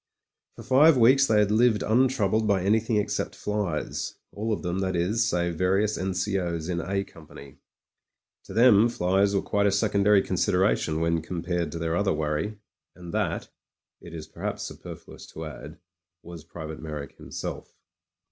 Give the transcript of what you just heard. For five weeks they had lived untroubled by any thing except flies — ^all of them, that is, save various N.C.O.'s in A company. To them flies were quite a secondary consideration when compared to their other worry. And that, it is perhaps superfluous to add, was Private Me)rrick himself.